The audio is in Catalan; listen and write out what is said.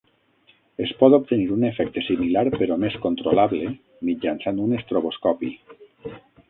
Es pot obtenir un efecte similar però més controlable mitjançant un estroboscopi.